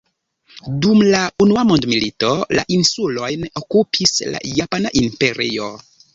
Dum la unua mondmilito, la insulojn okupis la Japana Imperio.